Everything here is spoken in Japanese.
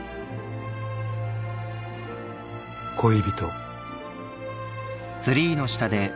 ［恋人］